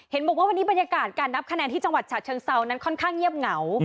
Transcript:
เห็นบอกว่าวันนี้บรรยากาศการนับคะแนนที่จังหวัดฉะเชิงเซานั้นค่อนข้างเงียบเหงา